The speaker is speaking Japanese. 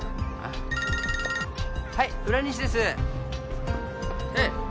はい浦西ですええ